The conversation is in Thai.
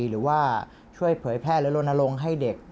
หรือว่าช่วยเผยแพร่หรือลนลงให้เด็ก